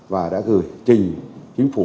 và đã gửi trình chính phủ